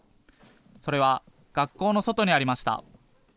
それは学校の外にありました。